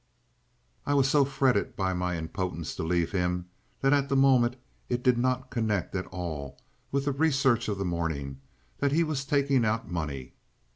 I was so fretted by my impotence to leave him that at the moment it did not connect at all with the research of the morning that he was taking out money.